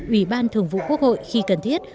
ủy ban thường vụ quốc hội khi cần thiết